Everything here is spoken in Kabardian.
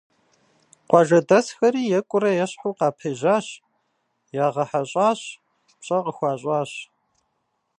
Къуажэдэсхэри екӀурэ-ещхьу къапежьащ, ягъэхьэщӀащ, пщӀэ къыхуащӀащ.